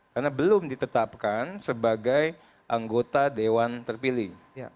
karena belum ditetapkan sebagai anggota dewan terpilih